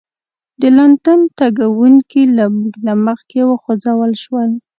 د لندن تګونکي له موږ نه مخکې وخوځول شول.